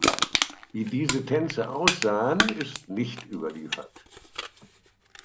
Wie diese Tänze aussahen, ist nicht überliefert.